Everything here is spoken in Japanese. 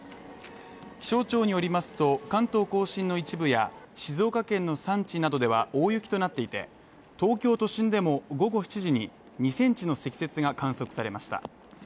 気象庁によりますと関東甲信の一部や静岡県の山地などでは大雪となっていて東京都心でも午後７時に２ｃｍの積雪が観測されました。